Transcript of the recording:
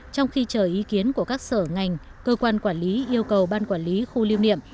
trong khi chờ ý kiến của các sở ngành cơ quan quản lý yêu cầu ban quản lý khu lưu niệm